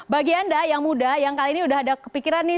bagi anda yang muda yang kali ini udah ada kepikiran nih